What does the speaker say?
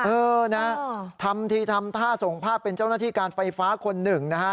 เออนะฮะทำทีทำท่าส่งภาพเป็นเจ้าหน้าที่การไฟฟ้าคนหนึ่งนะฮะ